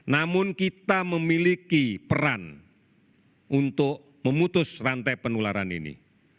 namun kita memiliki peran untuk memutus rantai penularan ini